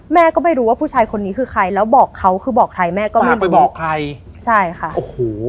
แม่ก็ไม่รู้ว่าผู้ชายคนนี้คือใครแล้วบอกเขาคือบอกใครแม่ก็ไม่รู้